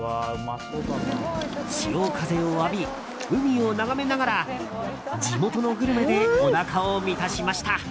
潮風を浴び、海を眺めながら地元のグルメでおなかを満たしました。